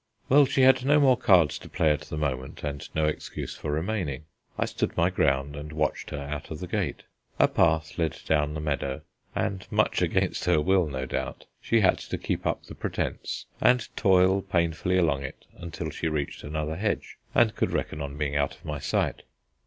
Well, she had no more cards to play at the moment, and no excuse for remaining. I stood my ground and watched her out of the gate. A path led down the meadow, and, much against her will no doubt, she had to keep up the pretence and toil painfully along it until she reached another hedge and could reckon on being out of my sight.